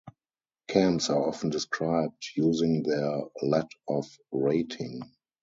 Cams are often described using their "let-off" rating.